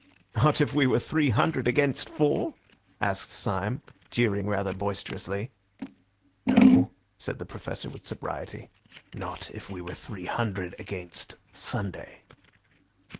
"Not if we were three hundred against four?" asked Syme, jeering rather boisterously. "No," said the Professor with sobriety, "not if we were three hundred against Sunday."